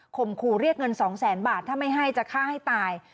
ข่มครูเรียกเงิน๒๐๐๐๐๐บาทถ้าไม่ให้จะฆ่าให้ตาย